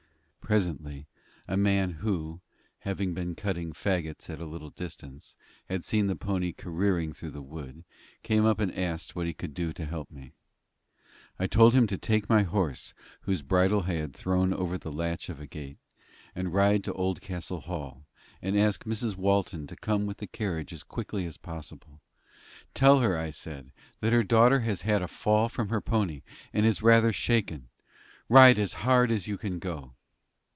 Presently a man who, having been cutting fagots at a little distance, had seen the pony careering through the wood, came up and asked what he could do to help me. I told him to take my horse, whose bridle I had thrown over the latch of a gate, and ride to Oldcastle Hall, and ask Mrs. Walton to come with the carriage as quickly as possible. "Tell her," I said, "that her daughter has had a fall from her pony, and is rather shaken. Ride as hard as you can go."